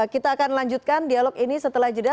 kita akan lanjutkan dialog ini setelah jeda